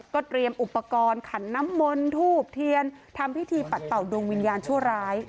เตรียมอุปกรณ์ขันน้ำมนทูบเทียนทำพิธีปัดเป่าดวงวิญญาณชั่วร้าย